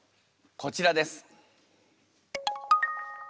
こちらです。